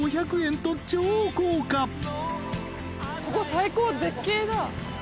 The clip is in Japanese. ここ最高絶景だ。